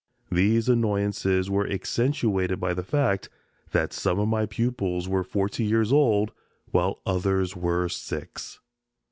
These annoyances were accentuated by the fact that some of my pupils were forty years old while others were six.